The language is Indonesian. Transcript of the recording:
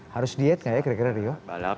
harus diet gak ya kira kira rio